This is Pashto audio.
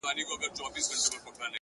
• د ښار خلک د حیرت ګوته په خوله وه,